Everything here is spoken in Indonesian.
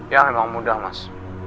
ya emang mudah mas